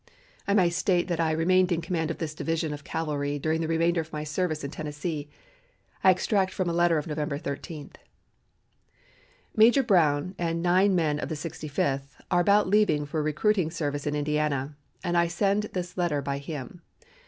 I may state that I remained in command of this division of cavalry during the remainder of my service in Tennessee. I extract from my letter of November 13: "Major Brown and nine men of the Sixty fifth are about leaving for a recruiting service in Indiana, and I send this letter by him.